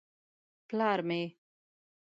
_ پلار مې.